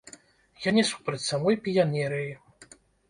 Я не супраць самой піянерыі.